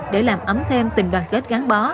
để làm ấm thêm tình đoàn kết gắn bó